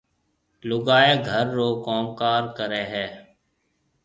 لُگائيَ گھر رو ڪوم ڪار ڪريَ هيَ۔